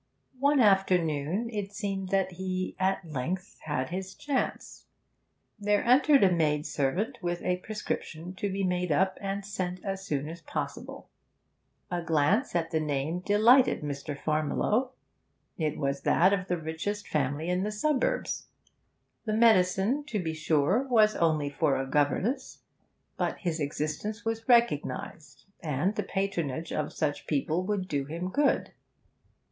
One afternoon it seemed that he, at length, had his chance. There entered a maidservant with a prescription to be made up and sent as soon as possible. A glance at the name delighted Mr. Farmiloe; it was that of the richest family in the suburbs. The medicine, to be sure, was only for a governess, but his existence was recognised, and the patronage of such people would do him good.